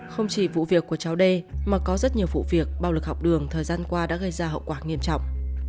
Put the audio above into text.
không chỉ vụ việc của cháu đê mà có rất nhiều vụ việc bạo lực học đường thời gian qua đã gây ra hậu quả nghiêm trọng